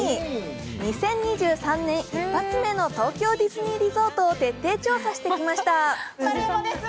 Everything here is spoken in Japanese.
２０２３年一発目の東京ディズニーリゾートを徹底調査してきました。